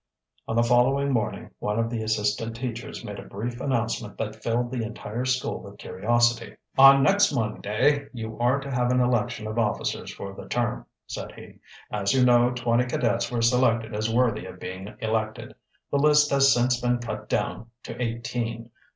On the following morning one of the assistant teachers made a brief announcement that filled the entire school with curiosity. "On next Monday you are to have an election of officers for the term," said he. "As you know, twenty cadets were selected as worthy of being elected. The list has since been cut down to eighteen.